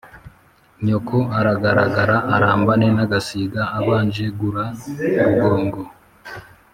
nyoko aragaragaraga arambane n'agasiga abanje gura rugongo